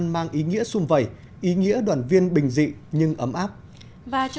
và như vậy thì chúng ta phải